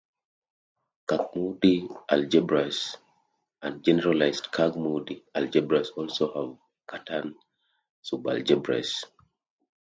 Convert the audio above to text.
Kac-Moody algebras and generalized Kac-Moody algebras also have Cartan subalgebras.